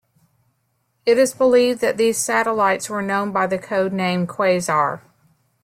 It is believed that these satellites were known by the code name "Quasar".